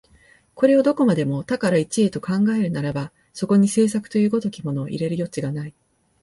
これをどこまでも多から一へと考えるならば、そこに製作という如きものを入れる余地がない。